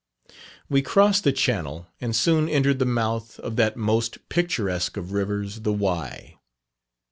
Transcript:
We crossed the channel and soon entered the mouth of that most picturesque of rivers, the Wye.